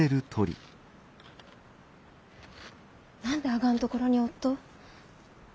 何であがんところにおっと！？